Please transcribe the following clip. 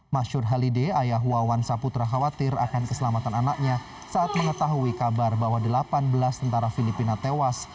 masyur halide ayah wawan saputra khawatir akan keselamatan anaknya saat mengetahui kabar bahwa delapan belas tentara filipina tewas